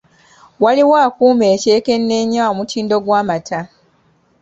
Waliwo akuuma ekyekenneenya omutindo gw'amata.